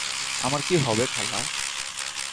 আমার কি হবে, খালা?